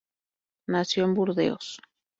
Nació en Burdeos.